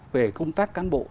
về công tác căn bộ